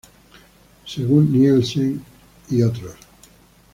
Según Nielsen "et.